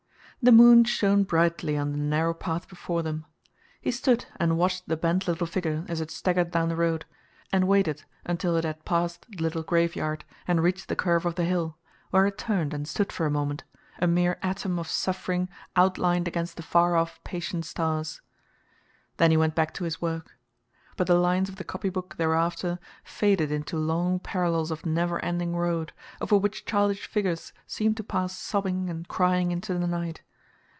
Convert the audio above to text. The moon shone brightly on the narrow path before them. He stood and watched the bent little figure as it staggered down the road, and waited until it had passed the little graveyard and reached the curve of the hill, where it turned and stood for a moment, a mere atom of suffering outlined against the far off patient stars. Then he went back to his work. But the lines of the copybook thereafter faded into long parallels of never ending road, over which childish figures seemed to pass sobbing and crying into the night.